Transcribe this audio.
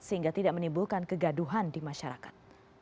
sehingga tidak menimbulkan kegaduhan di masyarakat